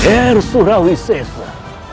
her surawi sesa